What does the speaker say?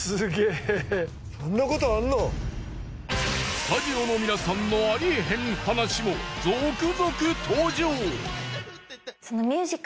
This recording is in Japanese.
スタジオの皆さんのありえへん話も続々登場！？